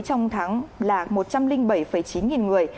trong tháng là một trăm linh bảy chín nghìn người